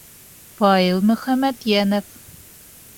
Фаил МӨХӘМӘТЙӘНОВ.